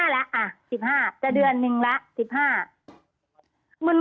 ๑๕แล้วอ่ะ๑๕จะเดือนหนึ่งแล้ว๑๕